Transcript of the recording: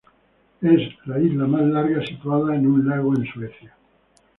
Es la isla más larga situada en un lago en Suecia.